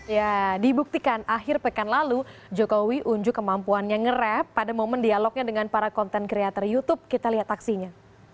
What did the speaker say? ya dibuktikan akhir pekan lalu jokowi unjuk kemampuannya ngerep pada momen dialognya dengan para content creator youtube kita lihat aksinya